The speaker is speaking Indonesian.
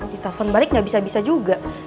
ditelepon balik nggak bisa bisa juga